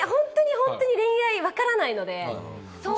本当に恋愛がわからないので。